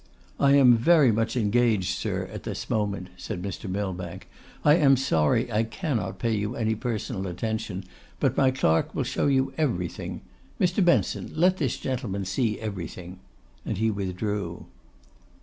'I am very much engaged, sir, at this moment,' said Mr. Millbank; 'I am sorry I cannot pay you any personal attention, but my clerk will show you everything. Mr. Benson, let this gentleman see everything;' and he withdrew.